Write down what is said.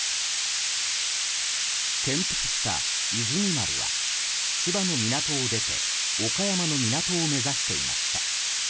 転覆した「いずみ丸」は千葉の港を出て岡山の港を目指していました。